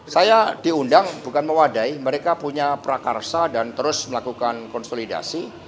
saya diundang bukan mewadai mereka punya prakarsa dan terus melakukan konsolidasi